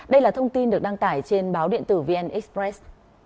đây là thông tin được đăng tải trên báo điện tử vn express